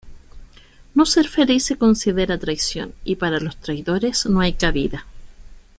No ser feliz se considera traición, y para los traidores no hay cabida.